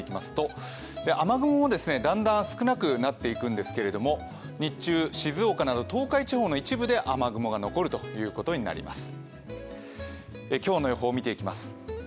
雨雲も、だんだん少なくなっていくんですけれども日中、静岡など東海地方の一部で雨雲が残るということになります。